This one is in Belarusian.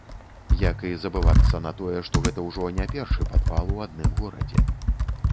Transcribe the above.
Як і забывацца на тое, што гэта ўжо не першы падпал у адным горадзе.